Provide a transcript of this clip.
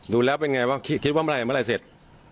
ดูแล้วเป็นไงว่าคิดว่าเมื่อไหรเมื่อไหร่เสร็จ